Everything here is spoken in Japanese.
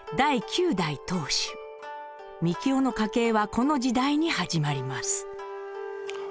みきおの家系はこの時代に始まります。